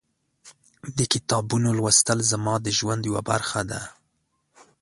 د کتابونو لوستل زما د ژوند یوه برخه ده.